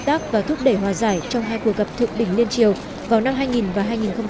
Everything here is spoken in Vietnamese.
tác và thúc đẩy hòa giải trong hai cuộc gặp thượng đỉnh liên triều vào năm hai nghìn và hai nghìn bảy